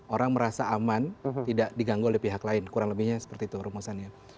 orang merasa aman tidak diganggu oleh pihak lain kurang lebihnya seperti itu rumusannya